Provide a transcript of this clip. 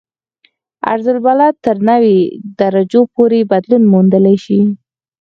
عرض البلد تر نوي درجو پورې بدلون موندلی شي